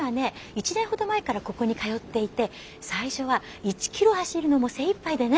１年ほど前からここに通っていて最初は１キロ走るのも精いっぱいでね。